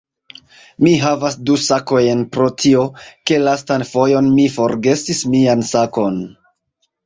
Mi havas du sakojn pro tio, ke lastan fojon mi forgesis mian sakon